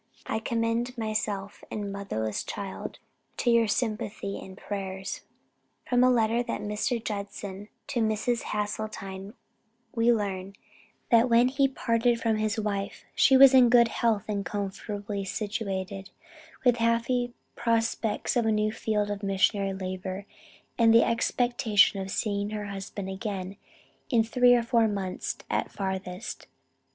I commend myself and motherless child to your sympathy and prayers." From a letter from Mr. Judson to Mrs. Hasseltine we learn, that when he parted from his wife, she was in good health and comfortably situated, with happy prospects of a new field of missionary labor, and the expectation of seeing her husband again in three or four months at farthest.